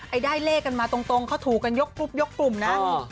ไอ้ได้เลขกันมาตรงเขาถูกกันยกกลุ่มนะ